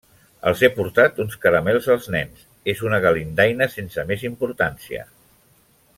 Els he portat uns caramels als nens. És una galindaina sense més importància.